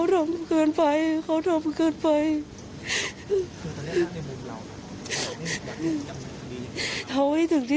ลองไปการไปถามคนดีเงี่ตรงนี้